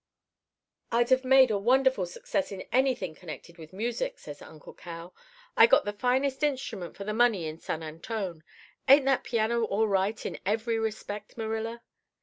"'I'd have made a wonderful success in anything connected with music,' says Uncle Cal. 'I got the finest instrument for the money in San Antone. Ain't that piano all right in every respect, Marilla?